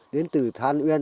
đến từ than uyên